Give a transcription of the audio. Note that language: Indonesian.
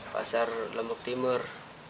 pasar lombok timur